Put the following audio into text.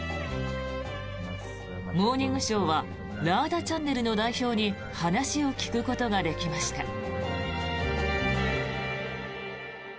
「モーニングショー」はラーダチャンネルの代表に話を聞くことができました。